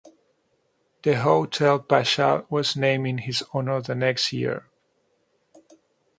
The Hotel Paschall was named in his honor the next year.